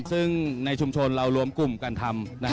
ซึ่งในชุมชนเรารวมกลุ่มการทำ